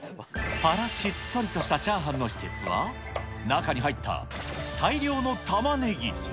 パラしっとりとしたチャーハンの秘けつは、中に入った大量のたまねぎ。